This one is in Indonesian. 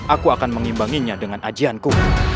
aku akan mengimbanginya dengan ajianku